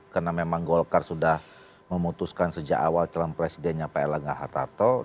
karena memang golkar sudah memutuskan sejak awal calon presidennya pak erlangga hartarto